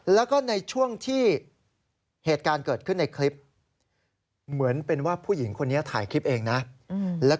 แล้วก็ในช่วงที่เหตุการณ์เกิดขึ้นในคลิปเหมือนเป็นว่าผู้หญิงคนนี้ถ่ายคลิปเองนะ